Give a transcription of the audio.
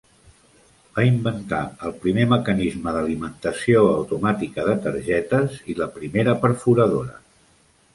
Va inventar el primer mecanisme d'alimentació automàtica de targetes i la primera perforadora.